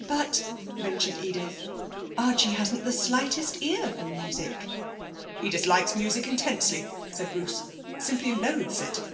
'But,' ventured Edith, 'Archie hasn't the slightest ear for music!' 'He dislikes music intensely,' said Bruce. 'Simply loathes it.'